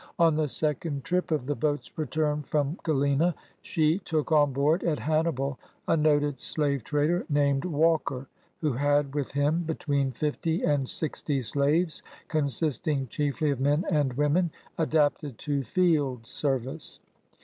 On the second trip of the boat's return from Galena, she took on board, at Hannibal, a noted slave trader, named Walker, who had with him between fifty and sixty slaves, consisting chiefly of men and women adapted to field service.